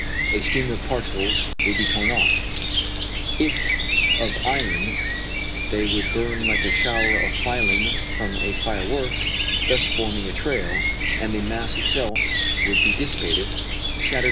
A stream of particles would be torn off; if of iron, they would burn like a shower of filings from a firework, thus forming a trail; and the mass itself would be dissipated, shattered to fragments in an instant.